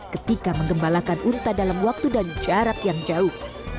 ketika menggembalakan unta dalam waktu dan jarak yang jauh